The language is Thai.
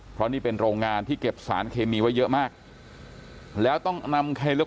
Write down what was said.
เพราะนี่เป็นโรงงานที่เก็บสารเคมีไว้เยอะมากแล้วต้องนำเคลอ